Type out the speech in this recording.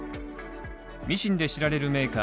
ミシンで知られるメーカー